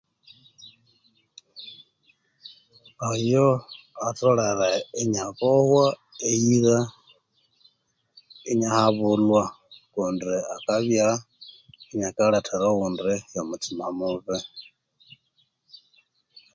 Oyo atholere inyabwohwa eyiza inyahabulhwa kundi akabya nyakalethera oghundi yo muthima mubi